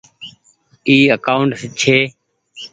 اي اڪآونٽ ڇي۔